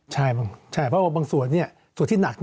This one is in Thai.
ใช่เพราะว่าบางส่วนส่วนที่หนัก